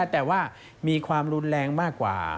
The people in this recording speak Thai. แต่ว่ามีความรุนแรงมากกว่า